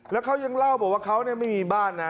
แล้วเขายังเล่าบอกว่าเขาไม่มีบ้านนะ